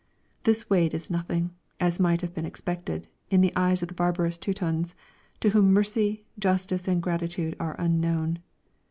This weighed as nothing, as might have been expected, in the eyes of the barbarous Teutons, to whom mercy, justice and gratitude are unknown.